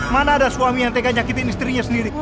mana ada suami yang tegak nyakiti istrinya sendiri